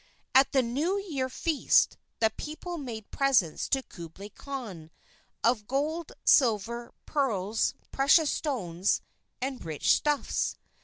At the New Year Feast, the people made presents to Kublai Khan of gold, silver, pearls, precious stones, and rich stuffs.